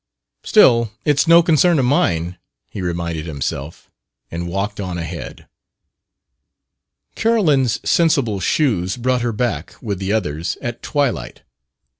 "Still, it's no concern of mine," he reminded himself, and walked on ahead. Carolyn's sensible shoes brought her back, with the others, at twilight.